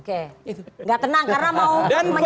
oke gak tenang karena mau